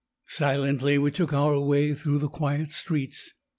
Silently we took our way through the quiet streets.